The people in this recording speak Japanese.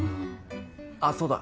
あそうだ。